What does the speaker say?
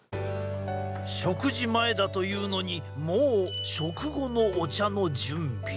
食事前だというのにもう食後のお茶の準備？